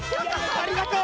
ありがとう！